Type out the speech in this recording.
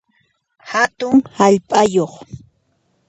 Hatun hallp'ayuq